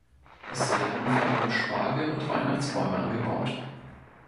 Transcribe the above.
Es werden vor allem Spargel und Weihnachtsbäume angebaut.